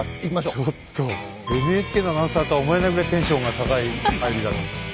ちょっとＮＨＫのアナウンサーとは思えないぐらいテンションが高い入りだった。